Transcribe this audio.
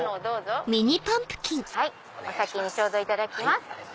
お先にちょうど頂きます。